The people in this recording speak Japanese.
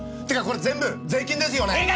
てかこれ全部税金ですよね？